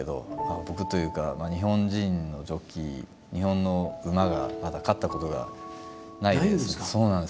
僕というか日本人のジョッキー日本の馬がまだ勝ったことがないんです。